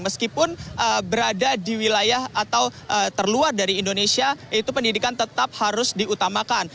meskipun berada di wilayah atau terluar dari indonesia itu pendidikan tetap harus diutamakan